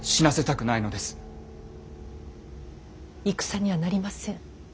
戦にはなりません。